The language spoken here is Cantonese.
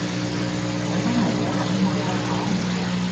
我真係好很愛香港